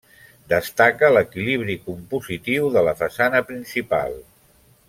Destaca l'equilibri compositiu de la façana principal.